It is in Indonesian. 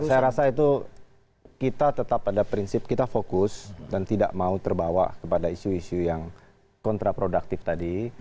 saya rasa itu kita tetap pada prinsip kita fokus dan tidak mau terbawa kepada isu isu yang kontraproduktif tadi